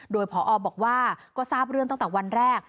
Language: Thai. โดยพอบอกว่าก็ทราบเรื่องตั้งแต่วันแรก